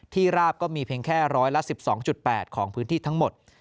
ราบก็มีเพียงแค่ร้อยละ๑๒๘ของพื้นที่ทั้งหมด